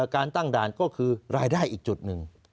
การตั้งด่านก็คือรายได้อีกจุดหนึ่ง